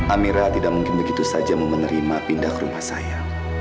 amira tidak mungkin begitu saja menerima pindah ke rumah saya